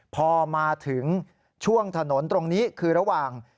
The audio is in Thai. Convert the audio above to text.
พอมาถึงช่วงถนนตรงนี้คือระหว่าง